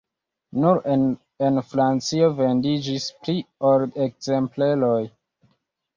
Nur en Francio vendiĝis pli ol ekzempleroj.